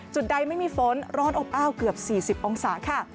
ใดไม่มีฝนร้อนอบอ้าวเกือบ๔๐องศาค่ะ